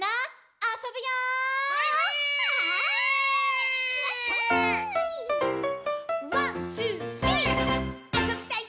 あそびたい！」